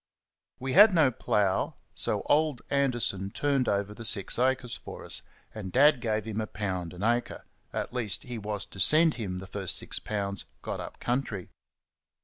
We had no plough, so old Anderson turned over the six acres for us, and Dad gave him a pound an acre at least he was to send him the first six pounds got up country.